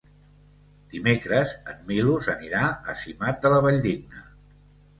Dimecres en Milos anirà a Simat de la Valldigna.